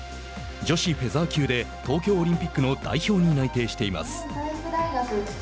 女子フェザー級で東京オリンピックの代表に内定しています。